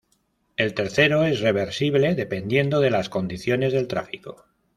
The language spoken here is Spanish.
El tercero es reversible dependiendo de las condiciones del tráfico.